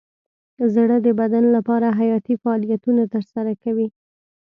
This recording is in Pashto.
زړه د بدن لپاره حیاتي فعالیتونه ترسره کوي.